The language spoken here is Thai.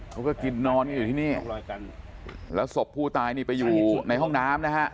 เขาก็กินนอนกันอยู่ที่นี่แล้วศพผู้ตายนี่ไปอยู่ในห้องน้ำนะฮะ